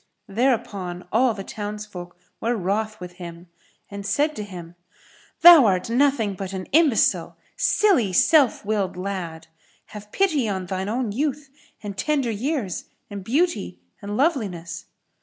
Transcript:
Thereupon all the townsfolk were wroth with him and said to him, "Thou art nothing but an imbecile, silly, self willed lad! Have pity on shine own youth and tender years and beauty and loveliness."